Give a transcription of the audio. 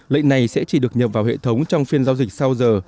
lệnh này sẽ chỉ được nhập vào hệ thống trong phiên giao dịch sau giờ